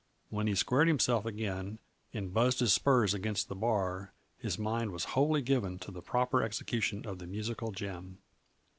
When he squared himself again and buzzed his spurs against the bar, his mind was wholly given to the proper execution of the musical gem.